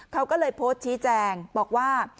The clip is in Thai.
เขาก็เลยโพสต์ชี้แจงบอกว่า